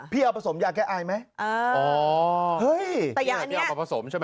พี่เอาผสมยาแก่ไอไหม